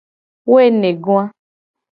Woenegoa.